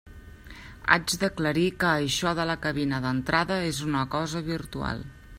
Haig d'aclarir que això de la cabina d'entrada és una cosa virtual.